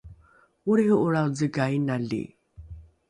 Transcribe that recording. olriho’olrao zega inali